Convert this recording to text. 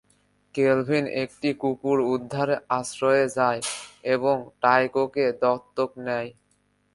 Calvin একটি কুকুর উদ্ধার আশ্রয়ে যায় এবং টাইকোকে দত্তক নেয়।